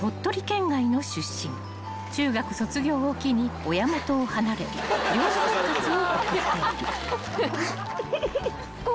［中学卒業を機に親元を離れ寮生活を送っている］